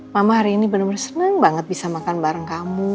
mama hari ini benar benar senang banget bisa makan bareng kamu